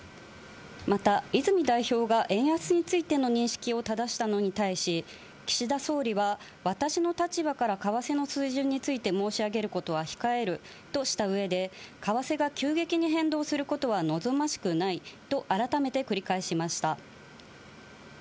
また泉代表が円安についての認識をただしたのに対し、岸田総理は、私の立場から為替の水準について申し上げることは控えるとしたうえで、為替が急激に変動することは望ましくないと改めて繰り返しました。